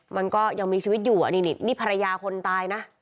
มันก็ยังมีชีวิตอยู่อันนี้นี่ภรรยาคนตายนะ